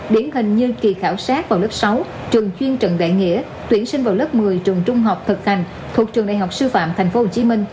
điển hình như kỳ khảo sát vào lớp sáu trường chuyên trần đại nghĩa tuyển sinh vào lớp một mươi trường trung học thực thành thuộc trường đại học sư phạm tp hcm